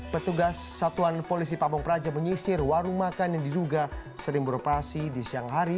petugas satuan polisi pamung praja menyisir warung makan yang diduga sering beroperasi di siang hari